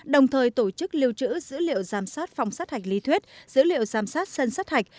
đồng thời tổ chức lưu trữ dữ liệu giám sát phòng sát hạch lý thuyết dữ liệu giám sát sân sát hạch